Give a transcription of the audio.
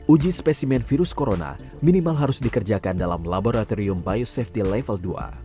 uji spesimen virus corona minimal harus dikerjakan dalam laboratorium biosafety level dua